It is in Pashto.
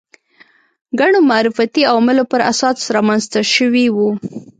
ګڼو معرفتي عواملو پر اساس رامنځته شوي وو